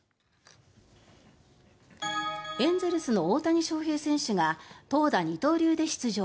エンゼルスの大谷翔平選手が投打二刀流で出場。